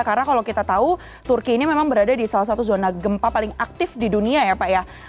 karena kalau kita tahu turki ini memang berada di salah satu zona gempa paling aktif di dunia ya pak ya